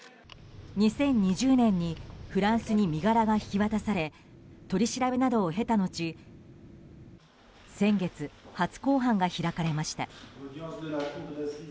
２０２０年にフランスに身柄が引き渡され取り調べなどを経た後先月、初公判が開かれました。